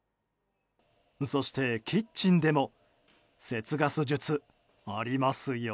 そして、キッチンでも節ガス術ありますよ。